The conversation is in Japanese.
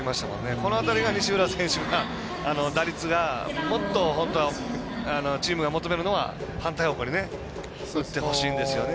この辺りが西浦選手が打率がもっと本当はチームが求めるのは反対方向にいってほしいんですよね。